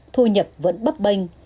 thu nhập vẫn bấp bênh